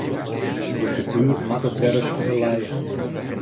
De kultuer moat it wer ris belije.